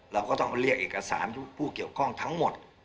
เราก็ต้องเรียกเอกสารผู้เกี่ยวข้องทั้งหมด